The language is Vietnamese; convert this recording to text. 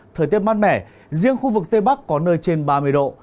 thời tiết mát mẻ riêng khu vực tây bắc có nơi trên ba mươi độ